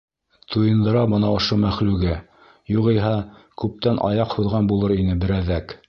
Туйындыра бына ошо мәхлүге, юғиһә, күптән аяҡ һуҙған булыр ине берәҙәк.